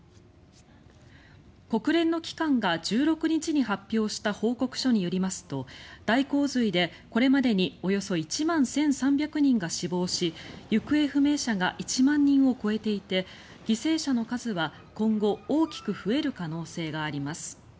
国連の機関が１６日に発表した報告書によりますと大洪水で、これまでにおよそ１万１３００人が死亡し行方不明者が１万人を超えていて犠牲者の数は今後、大きく増える可能性があります。